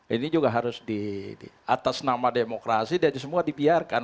ini juga harus di atas nama demokrasi dan semua dibiarkan